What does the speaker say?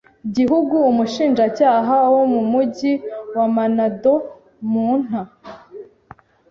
gihugu umushinjacyaha wo mu mugi wa Manado mu nta